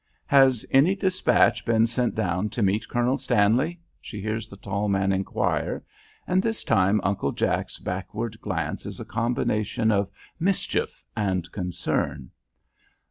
"Has any despatch been sent down to meet Colonel Stanley?" she hears the tall man inquire, and this time Uncle Jack's backward glance is a combination of mischief and concern.